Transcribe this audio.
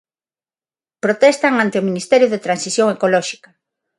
Protestan ante o Ministerio de Transición Ecolóxica...